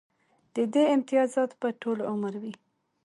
د دې امتیازات به ټول عمر وي